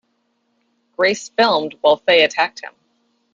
Grace filmed while Faye attacked him.